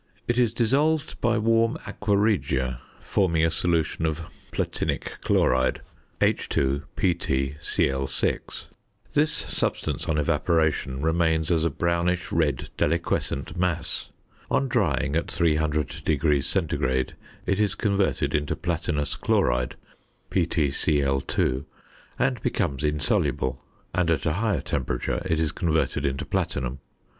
It is dissolved by warm aqua regia, forming a solution of "platinic chloride," H_PtCl_. This substance on evaporation remains as a brownish red deliquescent mass; on drying at 300° C. it is converted into platinous chloride, PtCl_, and becomes insoluble, and at a higher temperature it is converted into platinum.